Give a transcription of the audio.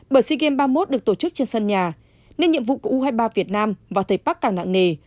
bởi sea games ba mươi một được tổ chức trên sân nhà nên nhiệm vụ của u hai mươi ba việt nam và thầy park càng nặng nề